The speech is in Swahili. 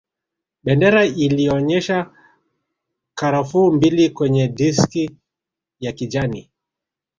Bendera iliyoonyesha karafuu mbili kwenye diski ya kijani